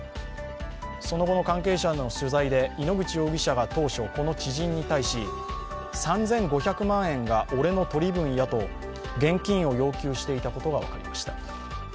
その後の関係者への取材で井ノ口容疑者が当初、この知人に対し３５００万円が俺の取り分やと現金を要求していたことが分かりました。